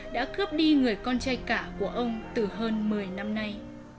đã cướp đi người con trai cả của ông từ hơn một mươi năm nay